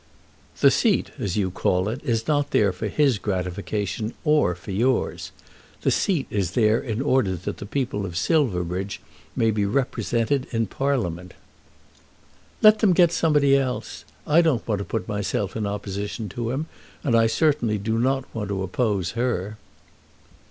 "The seat, as you call it, is not there for his gratification or for yours. The seat is there in order that the people of Silverbridge may be represented in Parliament." "Let them get somebody else. I don't want to put myself in opposition to him, and I certainly do not want to oppose her."